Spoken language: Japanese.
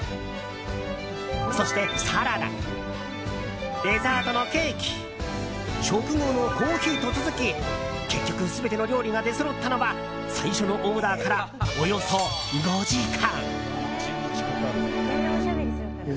そしてサラダ、デザートのケーキ食後のコーヒーと続き結局全ての料理が出そろったのは最初のオーダーからおよそ５時間。